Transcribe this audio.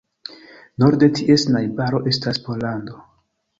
Norde ties najbaro estas Pollando.